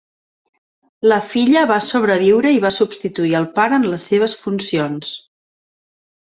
La filla va sobreviure i va substituir el pare en les seves funcions.